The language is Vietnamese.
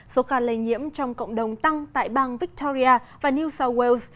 số ca lây nhiễm trong cộng đồng tăng tại bang victoria và new south wales